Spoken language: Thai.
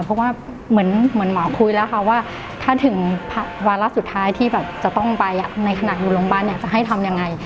เพราะเหมือนหมอพูดก่อนว่าถ้าถึงวารัสสุดท้ายจะต้องไปในขณะโรงบันให้ทำยังไง